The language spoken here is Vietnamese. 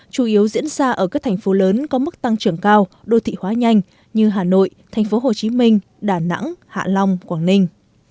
chủ yếu diễn ra ở các thành phố lớn có mức tăng trưởng cao đô thị hóa nhanh như hà nội thành phố hồ chí minh đà nẵng hạ long quảng ninh